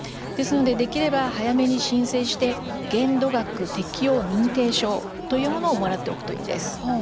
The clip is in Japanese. できれば早めに申請をして限度額適用認定証というものをもらっておくといいです。